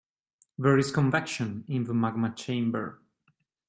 There is convection in the magma chamber.